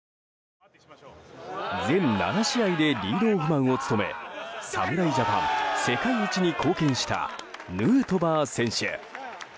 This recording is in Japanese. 全７試合でリードオフマンを務め侍ジャパン世界一に貢献したヌートバー選手。